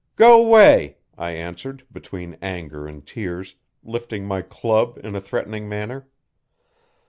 'Go 'way,' I answered, between anger and tears, lifting my club in a threatening manner.